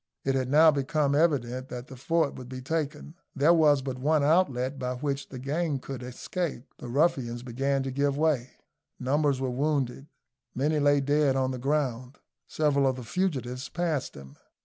It had now become evident that the fort would be taken; there was but one outlet by which the gang could escape; the ruffians began to give way. Numbers were wounded; many lay dead on the ground. Several of the fugitives passed him.